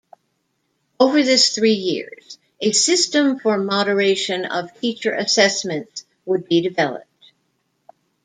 Over this three years, a system for moderation of teacher assessments would be developed.